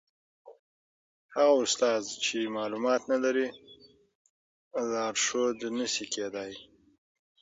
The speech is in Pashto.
هغه استاد چي معلومات نلري لارښود نسي کېدای.